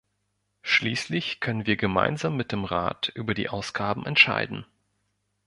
Schließlich können wir gemeinsam mit dem Rat über die Ausgaben entscheiden.